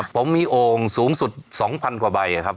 ผมมีโอ่งสูงสุด๒๐๐๐กว่าใบครับ